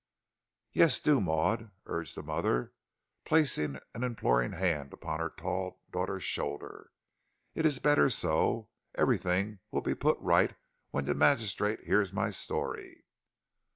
"Yes, do, Maud," urged the mother, placing an imploring hand on her tall daughter's shoulder; "it's better so. Everything will be put right when the magistrate hears my story."